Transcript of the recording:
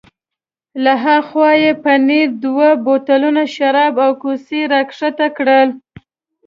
له ها خوا یې پنیر، دوه بوتلونه شراب او کوسۍ را کښته کړل.